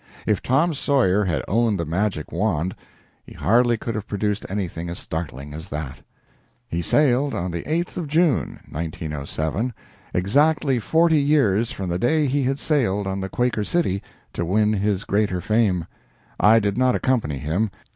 If Tom Sawyer had owned the magic wand, he hardly could have produced anything as startling as that. He sailed on the 8th of June, 1907, exactly forty years from the day he had sailed on the "Quaker City" to win his greater fame. I did not accompany him.